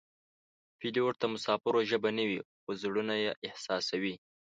پیلوټ د مسافرو ژبه نه وي خو زړونه یې احساسوي.